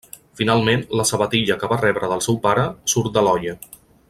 Finalment, la sabatilla que va rebre del seu pare surt de l'olla.